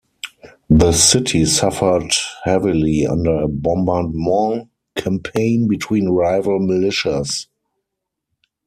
The city suffered heavily under a bombardment campaign between rival militias.